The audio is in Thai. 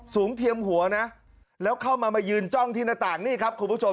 เทียมหัวนะแล้วเข้ามามายืนจ้องที่หน้าต่างนี่ครับคุณผู้ชม